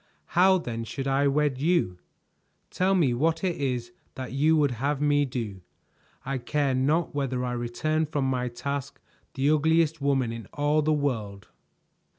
How then should I wed you? Tell me what it is that you would have me do; I care not whether I return from my task the ugliest woman in all the world!"